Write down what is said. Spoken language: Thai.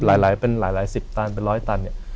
หลายเป็นหลายสิบตันเป็นร้อยตันเนี่ย